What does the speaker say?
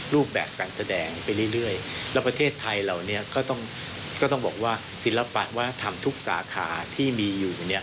และประเทศไทยก็ต้องบอกว่าศิลปะวัฒนธรรมทุกสาขาที่มีอยู่